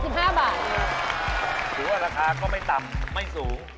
ถือว่าราคาก็ไม่ต่ำไม่สูง